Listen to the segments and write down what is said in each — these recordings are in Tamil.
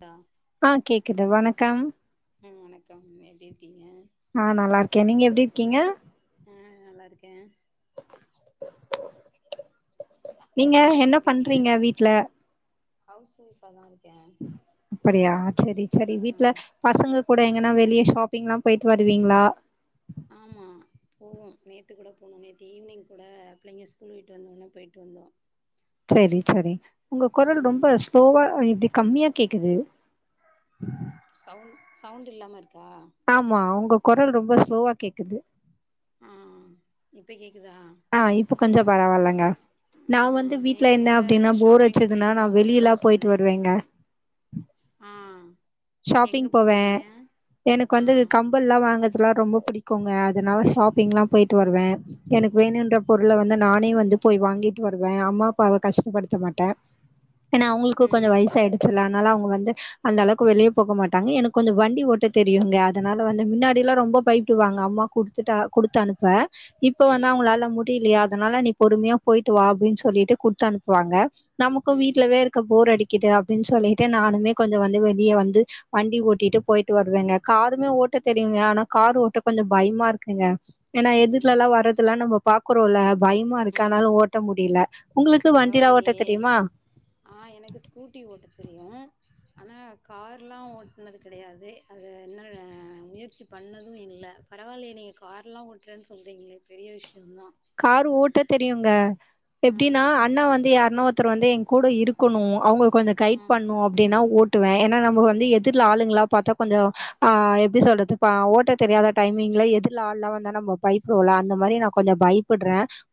டா ஆ கேக்குது வணக்கம் ம் வணக்கம் எப்டி இருக்கீங்க? ஆ நல்லா இருக்கேன் நீங்க எப்டி இருக்கீங்க? ஆ நல்லா இருக்கேன் நீங்க என்ன வீட்ல பண்றீங்க எல்லாரு வீட்ல ஹவுஸ் ஒய்ஃபாதா இ அப்டியா செரி செரி ஆ வீட்ல பசங்க கூட எங்கன்னா வெளிய ஷாப்பிங்கல்லா போயிட்டு வருவீங்ளா ஆமா போவோம் நேத்து கூட போணோம் நேத்து ஈவ்னிங் கூட பிள்ளைங்க ஸ்கூல் விட்டு வந்தொன்ன போயிட்டு வந்தோ சரி சரி உங்க குரல் ரொம்ப ம் ஸ்லோவா இது கம்மியா கேக்குது சவுண் சவுண்டில்லாம இருக்கா ஆமா உங்க குரல் ரொம்ப ஸ்லோவா கேக்குது ஆ இப்ப கேக்குதா ஆ இப்ப கொஞ்சோ பரவால்லங்க நா ஆ வந்து வீட்ல நேத்து இந்த கூட அப்டினா போர் ஷாப்பிங் அடிச்சுதுனா போயிட்டு நா தா வெளி எல்லா வந்தோன்னு போயிட்டு சொன்னே வருவேங்க ஆ எங்க ஷாப்பிங் போவன் போவீங்க எனக்கு ஆ வந்து கம்பெல்லா வாங்கறதெல்லா ரொம்ப புடிக்குங்க அதனால ஷாப்பிங் எல்லா போயிட்டு வருவன் எனக்கு வேணுன்ற பொருள வந்து நானே வந்து போய் வாங்கிட்டு வருவன் அம்மா அப்பாவ கஷ்டப்படுத்த மாட்ட ஏனா அவுங்களுக்கு கொஞ்சோ ம் வயசாய்டு ச்சனால அவுங்க வந்து அந்த அளவுக்கு வெளிய போக மாட்டாங்க எனக்கு கொஞ்சோ வண்டி ஓட்ட தெரியுங்க அதனால வந்து மின்னாடி எல்லா ரொம்ப பயப்படுவாங்க அம்மா குடுத்துட்டா குடுத்தனுப்ப இப்ப வந்து ம் அவுங்ளால டில்லயா அதனால நீ பொறுமயா போயிட்டு வா அப்டின்னு சொல்லிட்டு குடுத்தனுப்புவாங்க நமக்கு ம் வீட்ல வேர் க்க போர் அடிக்குது அப்டின்னு சொல்லிட்டு நானுமே கொஞ்சோ வந்து வெளிய வந்து வண்டி ஓட்டிட்டு போயிட்டு வருவங்க காருமே ஓட்ட தெரியுங்க ஆனா காரு ஓட்ட கொஞ்சோ பயமா இருக்குங்க ஏனா ம் எதிர்ல்லா வரதெல்லா நம்ம பா க்குறோல்ல பயமா இருக்கு ஆமா அனால ஓட்ட முடில உங்களுக்கு வண்டியெல்லா ஓட்ட பரவாயில்லையே தெரியுமா ஆ எனக்கு ஸ்கூட்டி ஓட்ட தெரியு ஆனா கார்ல்லா ஓட்னது கெடயாது அத இன்னு முயற்சி பண்ணது இல்ல பரவால்லயே நீங்க காரெல்லா ஓட்டறன்னு சொல்றீங்ளே பெரிய விஷ்யந்தா காரு ஓட்ட தெரியுங்க ஆ எப்டின்னா அண்ணா வந்து யாருனா ஒருத்தர் வந்து என் கூட இரு இருக்கணு அவுங்க கொஞ்சோ ஆ கைடு பண்ணு அப்டின்னா ஓட்டுவ ஏனா நம்ம வந்து எதிர்ல ஆளுங்ளா பாத்தா கொஞ்சோ ஆ எப்டி சொல்றதுப்பா ஓட்ட தெரியாத டைமிங்ல எதிர்ல ஆள்லெல்லா வந்தா நம்ம ப யப்படுவல்ல அந்த மாரி நா கொஞ்சோ பயப்படுற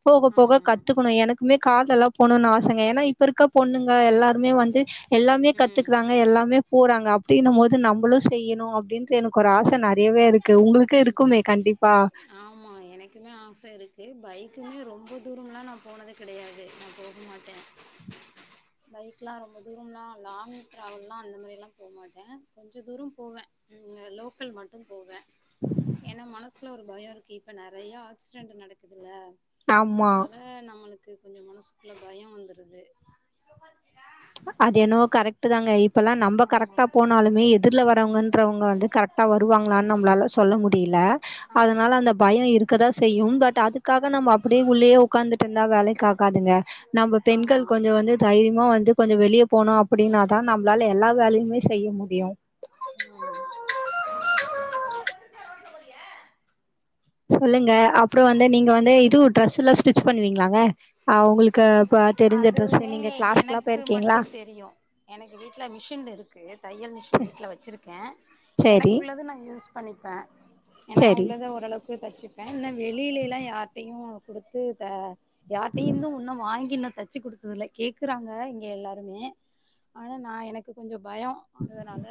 போக போக ஆமா கத்துக்கணு எனக்குமே கால்லெல்லா போணுனு ஆசங்க ஏனா இப்ப இருக்க பொண்ணுங்க எல்லாருமே வந்து எல்லாமே ம் கத்துக்கறாங்க எல்லாமே போறாங்க அப்டின்னும்போது நம்மளு செய்யணு அப்டின்னு எனக்கு ஒரு ஆசை நறையவே இருக்கு உங்களுக்கே ம் இருக்குமே கண்டிப்பா ஆமா எனக்குமே ஆச இருக்கு பைக்குமே ரொம்ப தூரம்லா நா போனது கெடையாது நா போ போமாட்ட பைக்லா ரொம்ப தூரம்லா லாங் ட்ராவல்லா அந்த மாரிலா போ மாட்ட கொஞ்ச தூரோ போவ ம் அ லோக்கல் மட்டும் போவ ஏன்னா மனசுல ஒரு பயோ இருக்கு இப்ப நறையா அக்ஸ்டென்ட்டு நடக்குதுல ஆமா அதனால நம்மளு க்கு கொஞ்சோ மனசுக்குள்ள பயோ வந்திருது அது என்னவோ கரெக்ட்டு தாங்க இப்பெல்லா நம்ப கரக்ட்டா ஆமாம் போனாலுமே எதிர்ல வரவங்கன்றவங்க வந்து கரக் ட்டா வருவாங்களான்னு நம்பளால சொல்ல முடியல அதனால ஆமாம் அந்த பயோ இருக்கதா செய்யும் பட் அதுக்காக நம்ம ம் அப்புடே உள்ளேயே உக்காந்து டு இருந்தா வேலைக்கு ஆகாதுங்க நம்ம பெண்கள் ஆமாம் கொஞ்சோ வந்து தைரியமா வந்து கொஞ்சோ வெளிய போணோ அப்டின்னா தா நம்பளால எல்லா வேலையுமே செய்ய முடியு ம் போறியா சொல்லுங்க அப்புறோ வந்து நீங்க வந்து இது ட்ரெஸ்செல்லா ஸ்டிச் பண்ணுவீங்களாங்க அ உங்களுக்கு க அதுவுமே எனக்கு மட்டு தெரியு எனக்கு வீட்ல மிஷின் இருக்கு தையல் மிஷின் வீட்ல வச்சிருக்கே சரி, எனக்குள்ளது நா யூஸ் பண்ணிப்ப ஏனா சரி. உள்ளத ஓரளவுக்கு தச்சி ப்ப இன்னு வெளியிலேல்லா யார்ட்டையு குடுத்து த யார்ட்டையிந்து உன்னு வாங்கி இனு தச்சு குடுத்தது இல்ல கேக்குறாங்க இங்க எல்லாருமே ஆனா நா எனக் க்கு கொஞ்சோ பயோ அதனால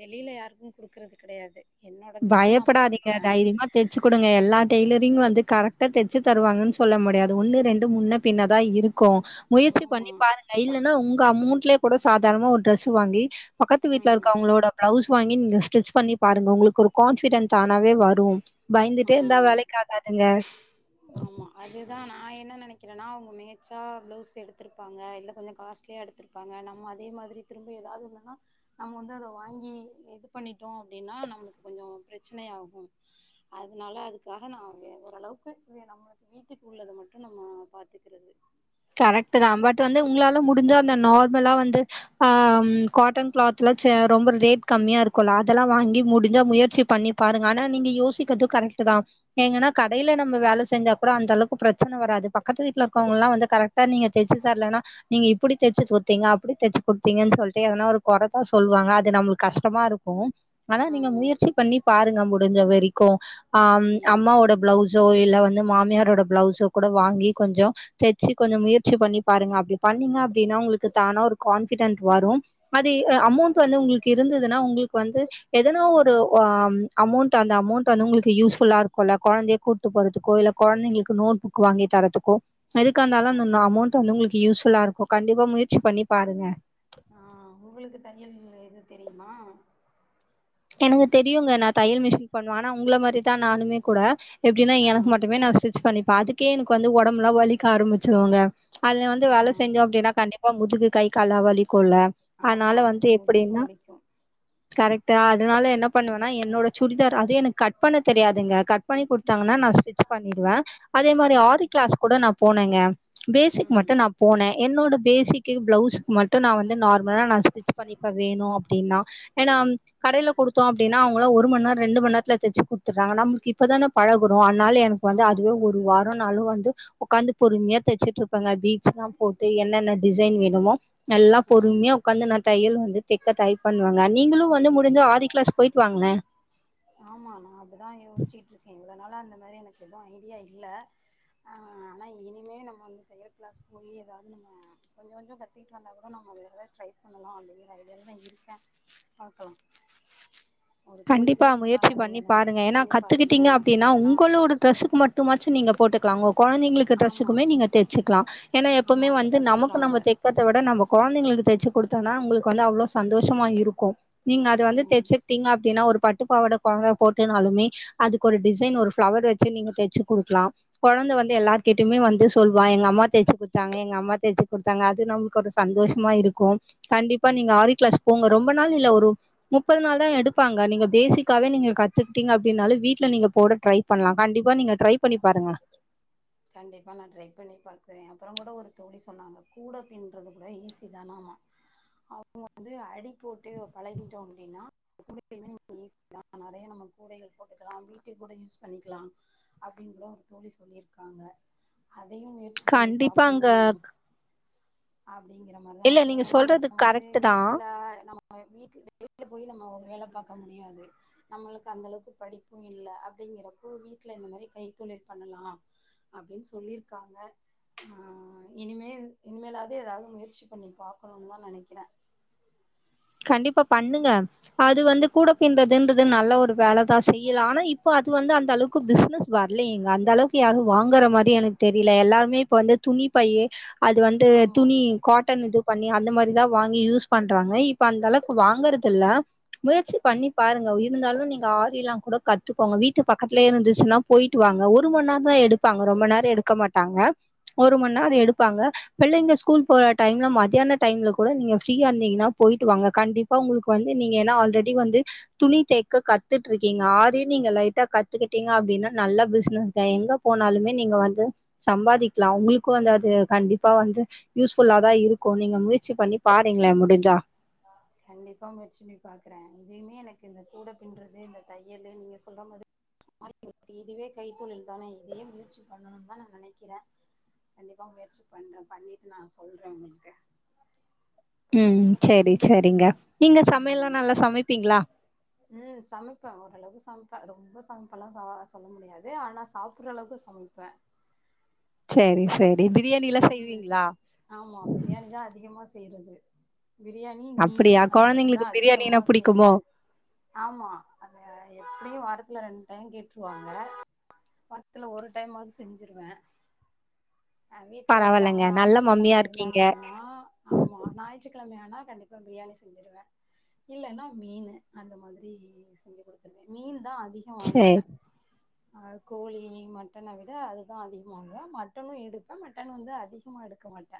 வெளியில யாருக்கு குடுக்கறது கெடையாது என்னோடது மட்டு நா பயப்படாதீங்க. பாத்துப்ப தைரியமா தெச்சு குடுங்க எல்லா டெய்லரிங் வந்து கரெக்டா தச்சு தருவாங்கன்னு சொல்ல முடியாது ஒண்ணு ரெண்டு முன்ன பின்ன தா இருக் கு முயற்சி பண்ணி ஆமா பாருங்க இல்லன்னா உங்க அமொண்ட்லே கூட சாதாரமா ஒரு டிரெஸ் வாங்கி பக்கத்து வீட்ல ம் இருக்கவங்களோட பிளவுஸ் வாங்கி நீங்க ஸ்டிச் பண்ண பாருங்க உங்களுக்கு ஒரு கான்பிடன் தானாவே வரு பயந்துட்டே இருந்தா ஆ வேலைக்காகாதுங்க ஆமா அதே தா நா என்ன நெனைக்கறனா அவுங்க பேச்சா பிளவுஸ் எடுத்துவரும் நாங்க இல்ல கொஞ்சோ காஸ்ட்லியா எடுத் திருப்பாங்க நம்ம அதே மாதிரி திரும்ப எதாவது ஒன்னுன்னா நம்ம வந்து அத வாங்கி இது பண்ணிட்டோ அப்டின்னா நம்மளுக்கு கொஞ்சோ பிரச்சனை ஆகு அதனால அதுக்காக நா எ ஓரளவுக்கு இதுவே நம்மளுக்கு வீட்டுக்கு உள்ளத மட்டு நம்ம பாத்துக்கிறது கரெக்ட்டு தா பட் வந்து உங்களால முடிஞ்சா அந்த நார்மலா வந்து ஆ காட்டன் கிளாத்லா ரொம்ப ரேட் கம்மியா இருக்குல்ல அதெல்லா வாங்கி முடிஞ்சா முயற்சி பண்ணி பாருங்க ஆனா நீங்க யோசிக்கது கரெக்ட்டு தா எங்கன்னா கடையில நம்ம வேல செஞ்சா கூட அந்த அளவுக்கு பிரச்சன வராது பக்கத்து வீட்ல இருக்கோவ்ங்கலா வந்து கரெக்டா நீங்க் தெச்சு தரலன்னா நீங்க இப்படி தைச்சு கொத்தீங்க அப்படி தைச்சு குடுத்தீங்கன்னு சொல்ட்டு எதனா ஒரு குறதா சொல்வாங்க அது நம்பளுக்கு கஷ்டமா இருக் கு ஆனா நீங்க ஆமா முயற்சி பண்ணி பாருங்க முடிஞ்ச வரைக்கு ஆ ம் அம்மாவோட பிளவுஸ் சோ இல்ல வந்து மாமியாரோட பிளவுஸோ கூட வாங்கி கொஞ்சோ தச் சி கொஞ்சோ முயற்சி பண்ணி பாருங்க அப்டி பண்ணீங்க அப்டின்னா உங்களுக்கு தானா ஒரு கான்ஃபிடென்ட் வரு அது கண்டிப்பா அமொண்ட் வந்து உங்களுக்கு இருந்ததுன்னா உங்களுக்கு வந்து எதுனா ஒரு ஒ ஆ ம் அமௌண்ட் அந்த அமௌண்ட் வந்து உங்களுக்கு யூஸ்ஃபுல்லா இருக்குல்ல கொழந்தைய கூட்டு போறதுக்கோ இல்ல குழைங்களுக்கு நோட் புக் வாங்கி தரத்துக்கோ எதுக்காந்தாலு ஆமா அந்த நா அமௌண்ட் டு வந்து உங்களுக்கு யூஸ்ஃபுல்லா இருக்கு கண்டிப்பா முயற்சி பண்ணி பாருங்க ஆ உங்களுக்கு தையல்லு இது தெரியுமா எனக்கு தெரியுங்க நா தையல் மிஷின் பண்ணுவே ஆனா உங்கள மாரிதா நானுமே கூட எப்டின்னா ஆ எனக்கு மட்டுமே நா ஸ்டிச் பண்ணிப்பே அதுக்கே எனக்கு வந்து ஒடம்லா வலிக்க ஆரம்முச்சுருங்க அதுல வந்து ஆ வேல செஞ்சோ அப்டினா கண்டிப்பா முதுகு கை கால்ல வலிக்குல ஆமா அதுனால வந்து அதுக்கு முதுகு எப்டின்னா வலிக்கு கரெட் டா அதுனால என்ன ம் பண்ணுவேனா என்னோட சுடிதார் அது எனக்கு கட் பண்ண தெரியாதுங்க கட் பண்ணி குடு ம் தாங்கன்னா நா ஸ்டிச் பண்ணிடுவே அதே மாரி ம் ஆரி கிளாஸ் கூட நா போனேங்க பேசிக் ம் மட்டு நா போனே என்னோட பேசிக்கு பிளவுஸுக்கு மட்டு நா வந்து நார்மலா நா ஸ்டிச் பண்ணிப்பே வேணு அப்டினா ஏனா கடேல குடுத்தோ அப்டினா அவுங்களா ஒரு மண் நேரோ ரெண்டு மண்நேரத்துல தச்சு குடுத்துற்றாங்க நமக்கு இப்பதான பழகுரோ அதுனால எனக் கு வந்து ஆமா அதுவே ஒரு வாரோ நாளு வந்து உக்காந்து பொறுமையா தச்சுட்டுருப் பங்க பீட்ஸலா போட்டு என்னன்ன டிசைன் வேணுமோ நல்லா ம் பொறுமையா உக்காந்து நா தையல் வந்து தெக்க ட்ரை பண்ணுவங்க நீங்களு வந்து முடுஞ்சா ஆரி கிளாஸ் போய்ட்டு வாங்களே ஆமா நா அப்டிதா யோசிச்சிட்ருக்கே இவ்ளோ நாளா அந்த மாரி எனக்கு எது ஐடியா இல்ல ஆ ஆனா இனிமே நம்ம வந்து தையல் கிளாஸ் போய் ஏதாவது நம்ம கொஞ்சொ கொஞ்சொ கத்திட்டு வந்தா கூட நாம அதுல எதாவது ட்ரை பண்ணலா அப்டிங்கிற ஐடியால தா இருக்கே பாக்கலா ஒரு தோழி கண்டிப்பா கூட முயற்சி சொன்னாங்க நீங்க பண்ணி அத பாருங்க முயற்சி ஏன்னா பண்ணி பாருங்க கத்துக்கிட்டீங்க அப்டி அப்டின்னா இல்லன்னா உங்களோட ட்ரஸ்ஸுக்கு மட்டுமாச்சு நீங்க போட்டுக்கலா ஒங்க கொழந்தைங்களுக் கு ஆமா ட்ரஸுக்குமே நீங்க தெச்சுக்கலா ஏனா ஆமா எப்பவுமே வந்து அப்டிதா நமக்கு சொல்றாங்க நம்ம தக் கறத விட நம்ம கொழந்தைங்களுக்கு தச்சு குடுத்தோனா அவுங்களுக்கு வந்து அவ்ளோ சந்தோஷமா இருக்கு நீங்க அது வந்து ம் தச்சுகிட்டீங்க அப்டினா ஒரு பட்டுப்பாவாட கொழந்த போட்டேனாலுமே அதுக் ஒரு டிசைன் ஒரு ஃபிளவர் வச்சு நீங்க தச்சு குடுக்லா கொழந்த வந்து எல்லார்கிட்டயுமே வந்து சொல்வா எங்க அம்மா தச்சு குடுத்தாங்க எங்க அம்மா தச்சு குடுத்தாங்க அது நம் க்கு ஒரு சந்தோஷமா இருக்கு கண்டிப்பா நீங்க ஆரி கிளாஸ் போங்க ரொம்ப நாள் இல்ல ஒரு முப்பது நாள்தா எடு பாங்க நீங்க பேசிக்காவே நீங்க கத்துக்ட்டீங்க அப்டினாலு வீட்ல நீங்க போட ட்ரை பண்ணலா கண்டிப்பா நீங்க ட்ரை பண்ணி பாருங்க கண்டிப்பா நா ட்ரை பண்ணி பாக்குறே அப்பறோ கூட ஒரு தோழி சொன்னாங்க கூட பின்றது கூட ஈஸி தானாமா அவுங்க வந்து அடி போட்டு பழகிட்டோ அப்டினா கூடயுமே வந்து ஈஸி தா நெறைய நம்ம கூடைகள் போட்டுக்கலா வீட்டுக் கூட யூஸ் பண்ணிக்கலா அப்டின் கூட ஒரு தோழி சொல்லிர்க்காங்க அதயு முயற் சி பண்ணி கண்டிப்பா பாக்கணு அங்க அப்டிங்கிற மாரிதா இல்ல இருக்கே நீங்க ஏன்னா சொல்றது நம்ம வந்து கரெக்ட் தான் வீட்ல நம் ம வீட்ல வெளில போய் நம்ம ஒரு வேல பாக்க முடியாது நம்மளுக்கு அந்த அளவுக்கு படிப்பு இல்ல அப்டிங்கிறப்போ வீட்ல இந்த மாரி கைத்தொழில் பண்ணலா அப்டின் சொல்லிர்க்காங்க ஆ இனிமேல் இனிமேலாவது ஏதாவது முயற்சி பண்ணி பாக்கணுனு தா நெனைக்கிறே கண்டிப்பா பண்ணுங்க அது வந்து கூட பின்றதுன்றது நல்ல ஒரு வேலதா செய்யலா ஆனா இப்ப அது வந்து அந்த அளவுக்கு பிஸ்னஸ் வர்லயேங்க அந்த அளவுக்கு யாரு வாங்கற மாரி எனக்கு தெரில எல்லாருமே இப்ப வந்து துணி பையி அது வந்து ஆமா துணி காட்டன் இது பண்ணி அந்த மாரி தா வாங்கி யூஸ் பண்றாங்க இ இப்ப அந்த அளவுக்கு வாங்கறது இல்ல முயற்சி பண்ணி பாருங்க இருந்தாலு நீங்க ஆரில்லா கூட கத்துக்கோங்க வீட்டு பக்கத்லயே இருந்துச்சுன்னா போய்ட்டு வாங்க ஒரு மண் நேரந் தா எடுப்பாங்க ரொம்ப நேரோ எடுக்க மாட்டாங்க ஒரு மண் நேரோ எடுப்பாங்க பிள்ளங்க ஸ்கூல் போற டைம்ல மதியான டைம்ல கூட நீங்க ஃப்ரீயா இருந்தீங்னா போய்ட்டு வாங்க கண்டிப்பா ஒங்களுக்கு வந்து நீங்க ஏன்னா ஆல்ரெடி வந்து துணி தைக்க கத்துட்ருக்கீங்க ஆரியு நீங்க லைட்டா கத்துக்கிட்டீங்க அப்டின்னா நல்ல பிசினஸ் தா எங்க போனாலுமே நீங்க வந்து சம்பாதிக்கலா உங்களுக்கு அந்த அது கண்டிப்பா வந்து யூஸ்ஃபுல்லா தா இருக்கு நீங்க முயற்சி பண்ணி பாருங்களே முடிஞ்சா [unintelligible] கே கண்டிப்பா முயற்சி பண்ணி பாக்கறே இதைமே எனக்கு இந்த கூட பின்றது இந்த தையலு நீங்க சொல்ற மாதிரி [inaudible] இதுவே கைத்தொழில் தான இதையு முயற்சி பண்ணனுன் தா நா நெனைக்கிறே கண்டிப்பா முயற்சி பண்றே பண்ணிட்டு நா சொல்றே உங்கள்க்கு ம் சேரி சேரிங்க நீங்க சமையல்லா ம் நல்லா சமைப்பீங்ளா ம் சமைப்பே ஓரளவுக்கு சம்ப்பே ரொம்ப சமைப்பல்லா பா சொல்ல முடியாது ஆனா சாப் பட்றளவுக்கு சமைப்பே சேரி சேரி பிரியாணில்லா ம் செய்வீங்ளா ஆமா பிரியாணி தா அதிகமா செய்றது பிரியாணி, மீன் அப்படியா அது மட்டுந்தா கொழந்தைங்களுக்கு பிரியாணினா அதிகமா புடிக்குமோ செய்வே ஆமா அத எப்டியு வாரத்துல ரெண்டு டைம் கேட்ருவாங்க வார்த்துல ஒரு டைம்மாவ்து செஞ்சிருவே அ வீட்ல இருந்தாங்க பரவால்லங்க நல்ல ஞாய்ற்றுக்கிழம மம்மியா இருக்கீங்க இருந்தாங்கன்னா ஆமா ஞாய்ற்றுக்கிழமயானா கண்டிப்பா பிரியாணி செஞ்சுருவே இல்லன்னா மீனு அந்த மாதிரி செஞ்சு குடுத்துருவே மீன் தா அதி கோ சரி வாங்குவே அ கோழி, மட்டன விட அதுதா அதிகமா வாங்குவே மட்டனு எடு ப்பே மட்டன் வந்து அதிகமா எடுக்க மாட்டே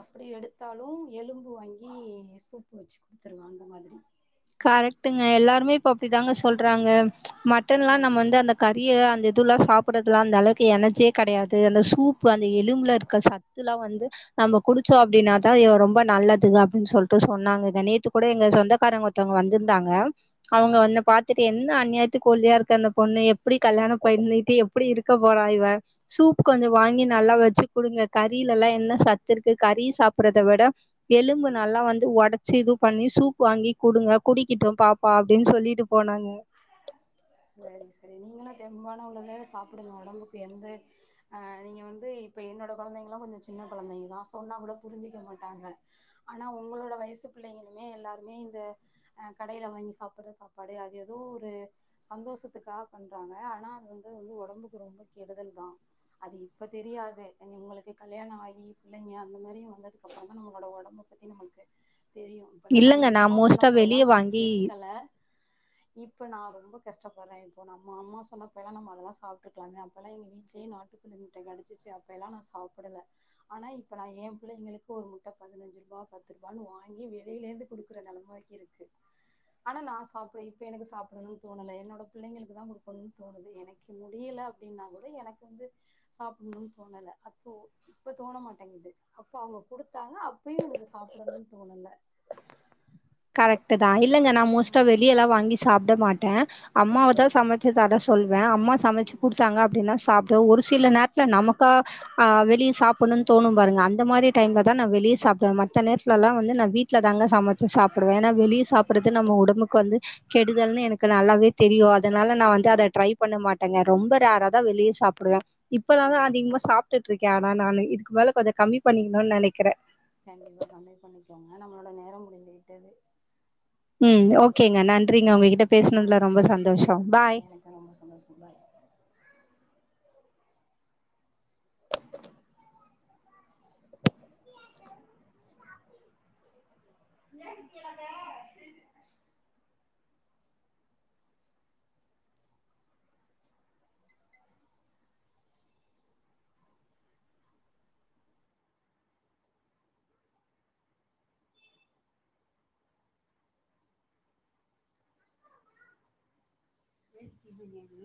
அப்பிடி எடுத்தாலு எலும்பு வாங்கி சூப்பு வச்சு குடுத்துருவே அந்த மாதிரி கரக்ட்டுங்க எல்லாருமே இப்ப அப்டிதாங்க சொல்றாங்க மட்டன்ல்லா நம்ம ஆமா வந்து அந்த கறிய அந்த இதுல்லா சாப்பட்றதுலா அந்தளவுக்கு எனர்ஜியே கெடையாது அந்த சூப்பு அந்த எலும்புல இருக்க சத் துலா வந்து நம்ம குடிச்சோ அப்டின்னா தா இவ ரொம்ப நல்லதுங்க அப்டின் சொல்ட்டு சொன்னாங்க இத நேத்து கூட எங்க சொந்தக்காரவ்ங்க ஒர் த்தவுங்க வந்திருந்தாங்க ஆ அவங்க வந்து பாத்துட்டு என்ன அந்யாயாத் துக் ஒல்லியா இருக்கா இந்த பொண்ணு எப்பிடி கல்யாணம் பெண்ணிட்டு எப்பிடி இருக்க போறா இவ சூ கொஞ்சோ வாங்கி நல்லா வச்சு குடுங்க கறீலல்லா என்ன சத்துருக்கு கறீ சாப்பட்றத விட எலும்பு ம் நல்லா வந்து ஒடச்சு இது பண்ணி சூப் வாங்கி குடுங்க குடிக்கிட்டு பாப்பா அப்டின் சொல்லிட்டு போனாங்க சேரி செரி நீங்களு தெம்பான உணவே சாப்புடுங்க ஒடம்புக்கு எந்த அ நீங்க வந்து இப்ப என்னோட கொழந்தைங்கல்லா கொஞ்ச சின்ன கொழந்தைக தா சொன்னா கூட புரிஞ்சிக்க மாட்டாங்க ஆனா உங்களோட வயசு பிள்ளைங்களுமே எல்லாருமே இந்த அ கடைல வாங்கி சாப்பட்ற சாப்பாடு அது எதோ ஒரு சந்தோஷத்துக்காக பண்றாங்க ஆனா அது வந்து வந்து ஒடம்புக்கு ரொம்ப கெடுதல் தா அது இப்ப தெரியாது எங்க உங்களுக்கு கல்யாணோ ஆகி பிள்ளைங்க அந்த மாரி வந்ததுக்கப்பறந்தா நம்ளோட ஒடம்பு பத்தி நம்மள்க்கு தெரியு அப்பல்லா நா இல்லங்க எங்கம்மா மோஸ்ட்டா சொன்னப்பயெல்லா வெளிய நா வாங்கி கேக்கல இப்ப நா ரொம்ப கஷ்டப்பட்றே இப்ப நம்ம அம்மா சொன்னப்பயெல்லா நம்ம அதல்லா சாப்ட்ருக்கலாமே அப்பல்லா எங்க வீட்லே நாட்டு கோழி முட்ட கெடச்சுச்சு அப்பயெல்லா நா சாப்பிடல ஆனா இப்ப நா எம்பிள்ளைங்களுக்கு ஒரு முட்ட பதினஞ்சுருபா பத்துருபானு வாங்கி வெளிலேர்ந்து குடுக்கற நெலமாக்கிருக் கு ஆனா நா சாப்படல இப்ப எனக்கு சாப்பிடணுன் தோணல என்னோட பிள்ளைங்களுக்கு தா குடுக்கணுன் தோணுது எனக்கு முடியல அப்டின்னா கூட எனக் வந்து சாப்புட்ணுன் தோணல அப்போ இப்ப தோன மாட்டேங்குது அப்ப அவ்ங்க குடுத்தாங்க அப்பயு எனக்கு சாப்டணுன் தோனல கரெக்ட்டு தா இல்லங்க நா மோஸ்ட்டா ம் வெளியலா வாங்கி சாப்ட மாட்டே அம்மாவ தா ம் சமைச் சு தர சொல்வே அம்மா சமச்சு ம் குடுத்தாங்க அப்டினா சாப்டுவே ஒரு சில நேரத்ல நமக்கா ஆ வெளிய சாப்புட்ணுன் தோணு பாருங்க அந்த மாரி டைம்ல தா ஆமாம் நா வெளிய சாப்டுவே மத்த நேரத்லலா வந்து நா வீட் ட்ல தாங்க சமச்சு சாப்டுவே ஏனா வெளிய சாப்புட்றது நம்ம உடம்புக்கு வந்து கெடுதல்னு எனக்கு நல்லாவே தெரியு அதனால நா வந்து அத ஆமாம் ட்ரை பண்ண மாட்டங்க ரொம்ப ரேரா தா வெளிய சாப்டுவே இப்பலா தா சரி அதிகமா சரி சாப் ட்டுட்ருக்கே ஆனா நானு இதுக்கு மேல கொஞ்ச கம்மி பண்ணிக்கணுன் நெனைக்கிறே கண்டிப்பா கம்மி பண்ணிக்கோங்க நம்மளோட நேரம் முடிந்துவிட்டது ம் ஓகேங்க நன்றிங்க உங்ககிட்ட பேசுனதுல ரொம்ப சந்தோஷம் பாய் ஆ எனக்கு ரொம்ப சந்தோச பாய் [inaudible] ி பனது